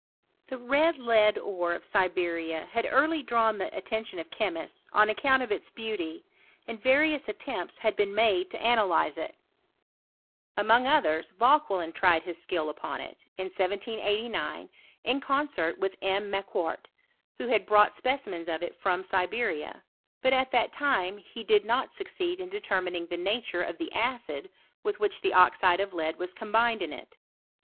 The red lead ore of Siberia had early drawn the ttention of chemists, on account of its beauty ; and ious attempts had been made to analyze iyze it.. j I HI9T0HT or CHCMISTKT. Among othere, Vaiiqueiin tried his skill upon it, is 'd concert with M. Macqcait, who had bron^it specimens of it from Siberia; but at that time he did not succeed in detennining the nature of tbe acid with which the oxide of lead was combined in it.